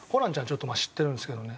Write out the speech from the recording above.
ちょっとまあ知ってるんですけどね。